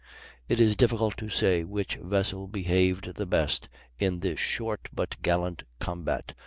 "It is difficult to say which vessel behaved the best in this short but gallant combat."